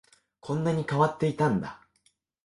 こんなに変わっていたんだ